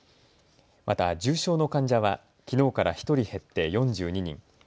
また重症の患者はきのうから１人減って４２人。